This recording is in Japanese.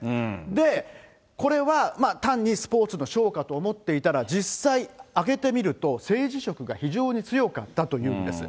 で、これは単にスポーツのショーかと思っていたら、実際、開けてみると、政治色が非常に強かったというんです。